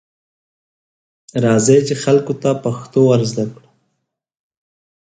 راځئ، چې خلکو ته پښتو ورزده کړو.